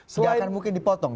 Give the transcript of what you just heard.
tidak akan mungkin dipotong